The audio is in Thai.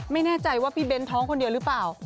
ไม่แน่ใจว่าพี่เบ้นท้องคนเดียวหรือเปล่า